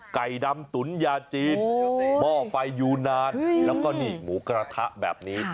ไก่ดำตุ๋นยาจีนหม้อไฟยูนานแล้วก็นี่หมูกระทะแบบนี้